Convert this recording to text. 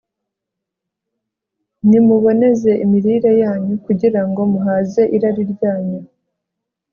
Nimuboneze imirire yanyu Kugira ngo muhaze irari ryanyu